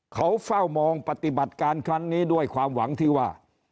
เขาเฝ้ามองปฏิบัติการครั้งนี้ด้วยความหวังที่ว่า